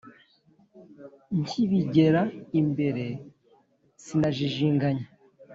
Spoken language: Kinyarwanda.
Nkibigera imbere sinajijinganya,